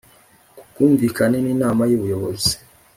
ku bwumvikane n Inama y Ubuyobozi